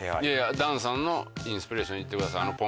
いやいや檀さんのインスピレーションでいってください。